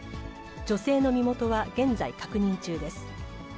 女性の身元は現在、確認中です。